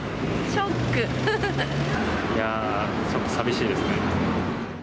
いやー、ちょっと寂しいですね。